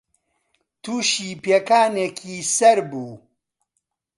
تووشی پێکانێکی سەر بوو